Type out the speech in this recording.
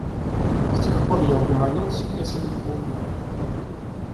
С тех пор я угомонился, если не поумнел.